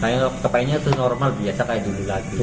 saya kepengennya itu normal biasa kayak dulu lagi